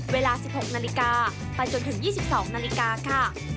เวลา๑๖นาฬิกาไปจนถึง๒๒นาฬิกาค่ะ